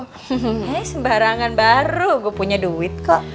kayaknya sembarangan baru gue punya duit kok